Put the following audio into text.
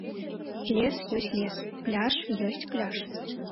Лес ёсць лес, пляж ёсць пляж.